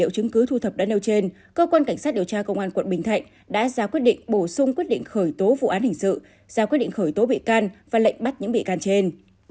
công đã quyết định bổ sung quyết định khởi tố vụ án hình sự ra quyết định khởi tố bị can và lệnh bắt những bị can trên